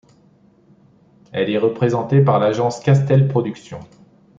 Elle est représentée par l'agence Castel Production.